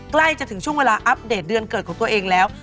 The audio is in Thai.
ใกล้จะถึงช่วงเวลาอัปเดตเดือนเกิดของตัวเองแล้ว